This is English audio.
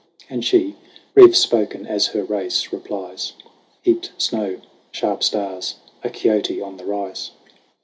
And she, brief spoken as her race, replies : "Heaped snow sharp stars a kiote on the rise."